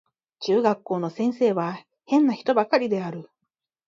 中学校の先生は変な人ばかりである